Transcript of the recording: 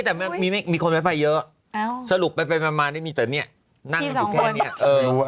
ใช่นี่แต่มีคนไปไฟเยอะสรุปไปมามีแต่นี่นั่งอยู่แค่นี้เออ